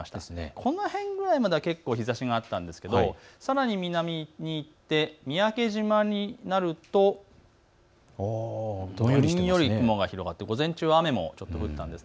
この辺ぐらいまでは日ざしがあったんですがさらに、南に行って三宅島になるとどんより雲が広がって午前中、雨もあったんです。